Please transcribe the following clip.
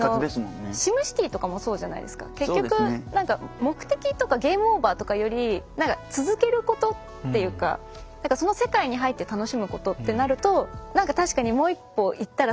結局何か目的とかゲームオーバーとかより何か続けることっていうか何かその世界に入って楽しむことってなると確かにもう一歩行ったらすごいものができそう。